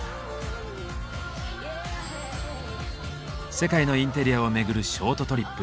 世界のインテリアを巡るショートトリップ。